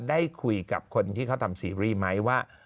ได้คุยกับคนที่เขาทำซีรีส์ไหมว่า